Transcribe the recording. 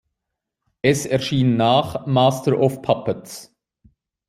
Es erschien nach "Master of Puppets".